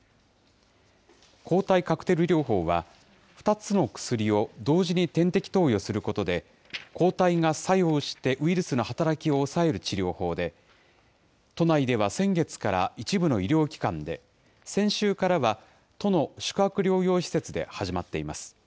抗体カクテル療法は、２つの薬を同時に点滴投与することで、抗体が作用して、ウイルスの働きを抑える治療法で、都内では先月から一部の医療機関で、先週からは都の宿泊療養施設で始まっています。